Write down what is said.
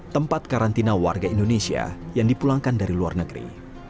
tempat karantina warga indonesia yang dipulangkan dari luar negeri